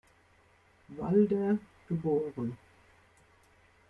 Walder, geboren.